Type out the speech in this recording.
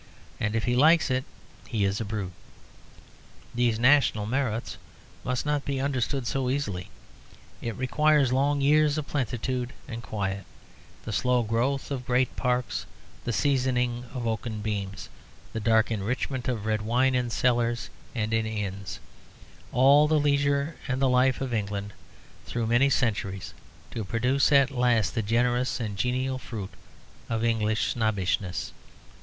And if he likes it, he is a brute. These national merits must not be understood so easily. It requires long years of plenitude and quiet, the slow growth of great parks, the seasoning of oaken beams, the dark enrichment of red wine in cellars and in inns, all the leisure and the life of England through many centuries, to produce at last the generous and genial fruit of English snobbishness.